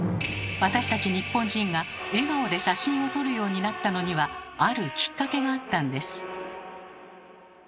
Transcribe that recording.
私たち日本人が笑顔で写真を撮るようになったのにはあるきっかけがあったんです。